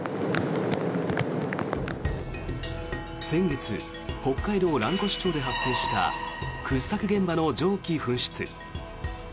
先月、北海道蘭越町で発生した掘削現場の蒸気噴出。